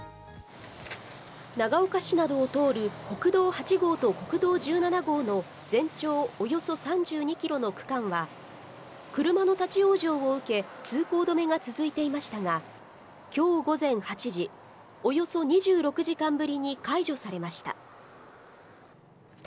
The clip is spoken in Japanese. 長岡市などを通る、国道８号と国道１７号の全長およそ３２キロの区間は車の立ち往生を受け、通行止めが続いていましたが、今日午前８時、およそ２６時間ぶりに解除されました。